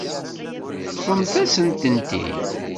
Teṭṭfemt-as-tent-id.